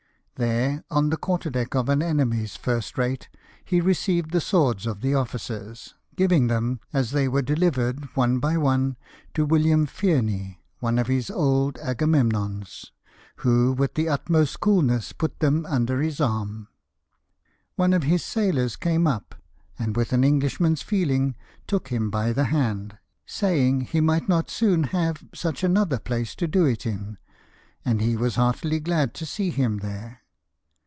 There, on the quarter deck of an enemy's first rate, he received the swords of the officers ; giving them, as they were deUvered, one by one to William Fearney, one of his old Agamevmons, who with the utmost coolness put them under his arm. One of his sailors came up, and with an Englishman's feeling took him by the hand, saying he might not soon have such another place to do it in, and he was heartily glad to see him there.